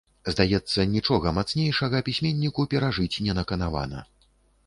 Здаецца, нічога мацнейшага пісьменніку перажыць не наканавана.